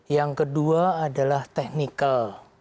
yang kedua adalah technical